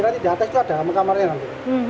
nanti di atas itu ada kamarnya nanti